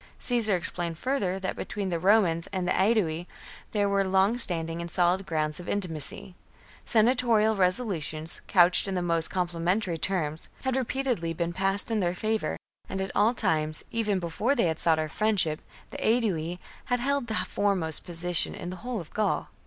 Caesar explained further that between the Romans and the Aedui there were long standing and solid grounds of intimacy ; sena torial resolutions, couched in the most compli mentary terms, had repeatedly been passed in their favour, and at all times, even before they sought our friendship, the Aedui had held the foremost position in the whole of Gaul!